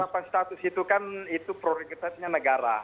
kalau penerapan status itu kan itu prorigatnya negara